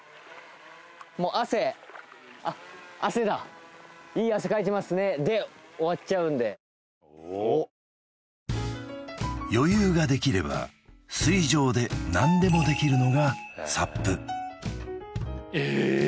もう汗あ汗だいい汗かいてますねで終わっちゃうんでおっ余裕ができれば水上で何でもできるのがＳＵＰえっ